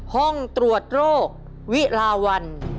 ห้องตรวจโรควิลาวัน